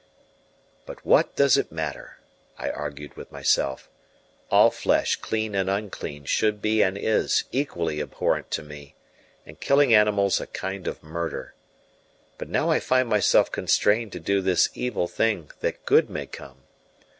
"But what does it matter?" I argued with myself. "All flesh, clean and unclean, should be, and is, equally abhorrent to me, and killing animals a kind of murder. But now I find myself constrained to do this evil thing that good may come.